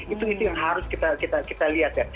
itu yang harus kita lihat